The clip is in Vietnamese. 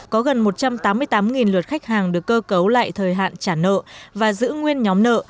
có gần một trăm tám mươi tám luật khách hàng được cơ cấu lại thời hạn trả nợ và giữ nguyên nhóm nợ